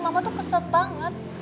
mama tuh kesel banget